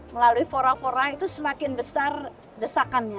melalui fora fora itu semakin besar desakannya